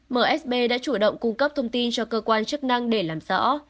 msb đã chủ động cung cấp thông tin cho cơ quan chức năng để làm rõ